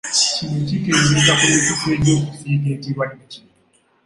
Kino kikendeeza ku mikisa egy’okusiiga ekirwadde kino.